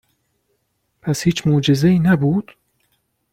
پس هیچ معجزه ای نبود ؟